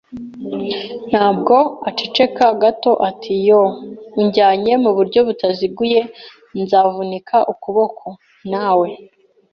ntabwo. ” Aceceka gato ati: “Yoo! Unjyane mu buryo butaziguye, nzavunika ukuboko. ” Na we